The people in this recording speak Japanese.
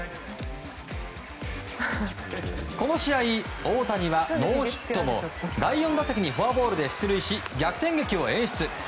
この試合、大谷はノーヒットも第４打席にフォアボールで出塁し逆転劇を演出。